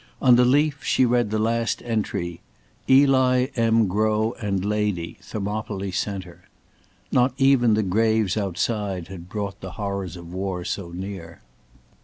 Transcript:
On the leaf she read the last entry: "Eli M. Grow and lady, Thermopyle Centre." Not even the graves outside had brought the horrors of war so near.